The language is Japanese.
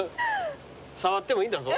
触ってもいいんだぞ。